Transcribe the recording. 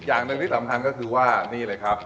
อย่างหนึ่งที่สำคัญก็คือว่านี่เลยครับ